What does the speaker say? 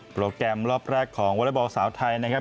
โปรแกรมรอบแรกของวอเล็กบอลสาวไทยนะครับ